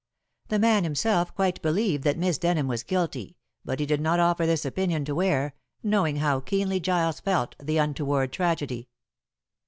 The man himself quite believed that Miss Denham was guilty, but he did not offer this opinion to Ware, knowing how keenly Giles felt the untoward tragedy.